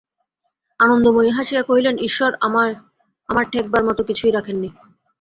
আনন্দময়ী হাসিয়া কহিলেন, ঈশ্বর আমার ঠেকবার মতো কিছুই রাখেন নি।